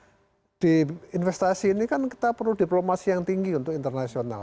nah kita tidak mengandalkan media tetapi di investasi ini kan kita perlu diplomasi yang tinggi untuk internasional ya